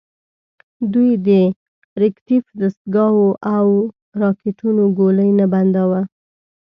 دوی د ریکتیف دستګاوو او راکېټونو ګولۍ نه بنداوه.